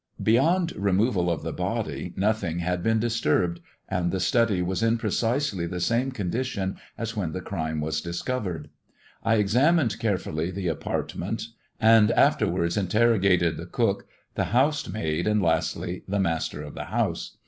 Beyond removal of the body nothing had been diiBturbed, and the study was in precisely the same con dition as when tlie crime was discovered. I examined care fully the apartment, and afterwards interrogated the cook, 254 THE GREEN STONE GOD AND THE STOCKBROKER the housemaid, and, lastly, the master of the house.